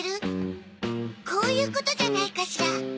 こういうことじゃないかしら。